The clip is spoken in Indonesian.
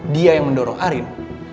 dia yang mendorong arin